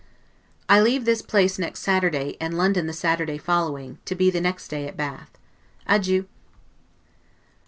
I leave this place next Saturday, and London the Saturday following, to be the next day at Bath. Adieu.